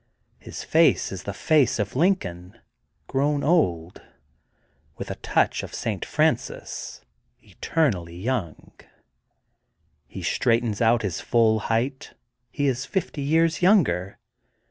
His face is the face of Lin coln, grown old, with a touch of St. Francis eternally young He straightens to his full height. He is fifty years younger.